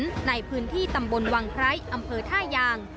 ในพื้นที่ตำบลวังไคร้อำเภอท่ายาง